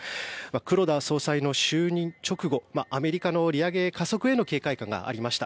黒田総裁の就任直後アメリカの利上げ加速への警戒感がありました。